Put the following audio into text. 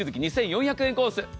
月々２４００円コース。